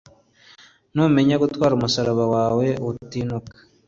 Numenya gutwara umusaraba wawe utinuba